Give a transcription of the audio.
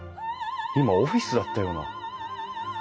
今オフィスだったような。